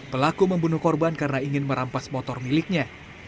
pelaku membunuh korban karena ingin merampas motor miliknya